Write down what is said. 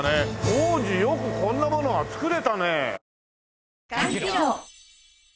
当時よくこんなものが作れたね。